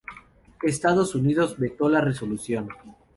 Estados Unidos vetó la resolución.